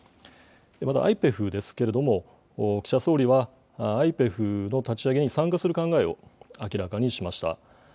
またＩＰＥＦですけれども、岸田総理は、ＩＰＥＦの立ち上げに参加する考えを明らかにしました。